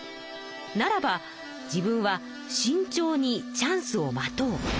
ならば自分はしんちょうにチャンスを待とう。